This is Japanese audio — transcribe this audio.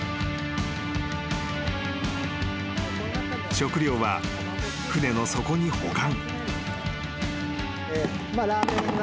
［食料は船の底に保管］